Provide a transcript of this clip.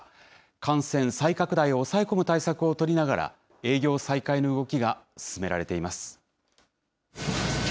感染再拡大を抑え込む対策を取りながら、営業再開の動きが進められています。